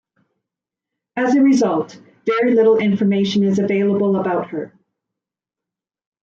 As a result, very little information is available about her.